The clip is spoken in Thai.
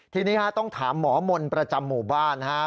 ทีนี้ต้องถามหมอมนต์ประจำหมู่บ้านนะครับ